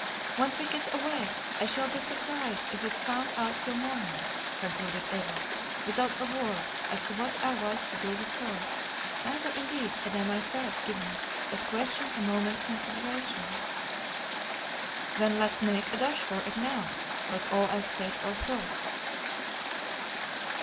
"Once we get away, I shall be surprised if it's found out till morning," concluded Eva, without a word as to what I was to do with her; neither, indeed, had I myself given that question a moment's consideration. "Then let's make a dash for it now!" was all I said or thought.